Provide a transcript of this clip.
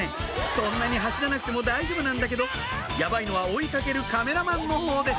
そんなに走らなくても大丈夫なんだけどやばいのは追い掛けるカメラマンのほうです